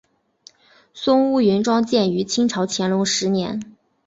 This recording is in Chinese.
松坞云庄建于清朝乾隆十年。